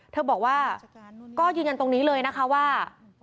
เธอบอกว่าก็ยืนยันตรงนี้เลยนะคะว่า